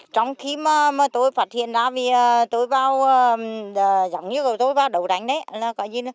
trong khi mà tôi phát hiện ra vì tôi vào giống như tôi vào đầu đánh đấy